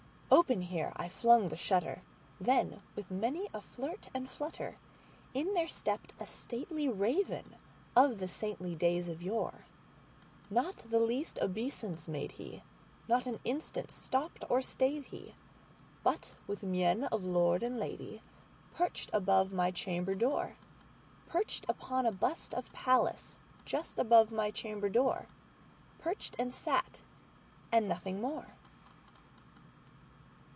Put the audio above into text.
Open here I flung the shutter, when, with many a flirt and flutter, In there stepped a stately Raven of the saintly days of yore. Not the least obeisance made he; not a minute stopped or stayed he; But, with mien of lord or lady, perched above my chamber door, Perched upon a bust of Pallas just above my chamber door:Perched, and sat, and nothing more.